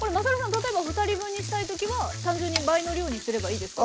例えば２人分にしたい時は単純に倍の量にすればいいですか？